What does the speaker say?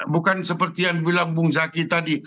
bukan seperti yang bilang bung zaki tadi